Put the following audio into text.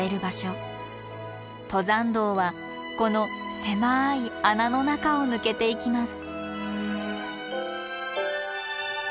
登山道はこの狭い穴の中を抜けていきます。